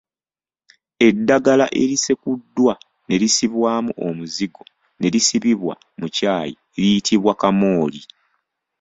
Eddagala erisekuddwa ne lisibwamu omuzigo ne lisibibwa mu kyayi liyitibwa kamooli.